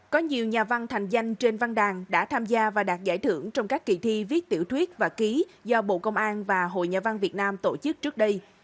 có nhiều nhà văn thành danh trên văn đàn đã tham gia và đạt giải thưởng trong các kỳ thi viết tiểu thuyết và ký do bộ công an và hội nhà văn việt nam tổ chức trước đây